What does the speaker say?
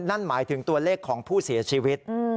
นั่นหมายถึงตัวเลขของผู้เสียชีวิต